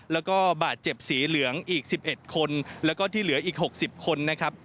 แล้วก็บาดเจ็บสีเหลืองอีก๑๑คนแล้วก็ที่เหลืออีก๖๐คนนะครับ